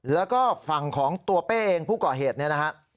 แล้วก็ฝั่งของตัวเป้ผู้ก่อเหตุนะคะ